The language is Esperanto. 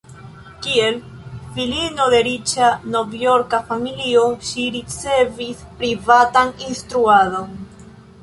Kiel filino de riĉa Novjorka familio, ŝi ricevis privatan instruadon.